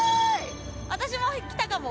私もきたかも。